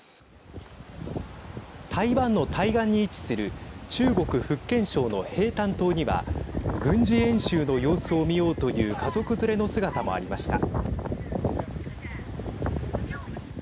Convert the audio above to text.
台湾の対岸に位置する中国、福建省の平潭島には軍事演習の様子を見ようという家族連れの姿もありました。